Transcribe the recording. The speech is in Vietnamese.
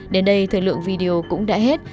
đến đây thời lượng video cũng đã hết